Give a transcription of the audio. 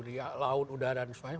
di laut udara dan sebagainya